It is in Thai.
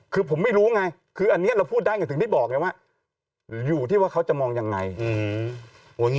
คือผมไม่รู้ไงคืออันเนี้ยเราพูดได้อย่างนี้ถึงพี่บอกเนี่ยว่าอยู่ที่ว่าเขาจะมองยังไง